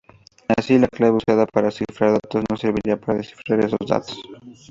Así, la clave usada para cifrar datos no servirá para descifrar esos datos.